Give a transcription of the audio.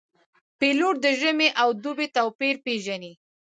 پیلوټ د ژمي او دوبي توپیر پېژني.